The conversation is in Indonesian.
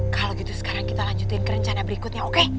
kalau gitu sekarang kita lanjutin ke rencana berikutnya oke